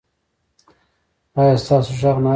ایا ستاسو غږ نه اوریدل کیږي؟